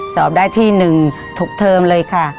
สอบได้ที่หนึ่งทุกเทอมเลยค่ะ